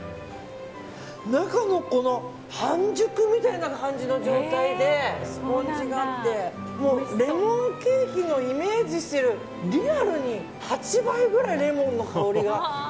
中の、この半熟みたいな感じの状態でスポンジがあって、もうレモンケーキのイメージしてるリアルに８倍くらいレモンの香りが。